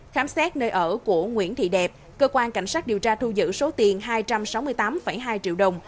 khám xét nơi ở của nguyễn thị đẹp cơ quan cảnh sát điều tra thu giữ số tiền hai trăm sáu mươi tám hai triệu đồng